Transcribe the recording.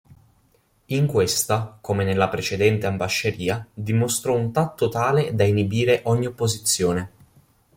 In questa, come nella precedente ambasceria, dimostrò un tatto tale da inibire ogni opposizione.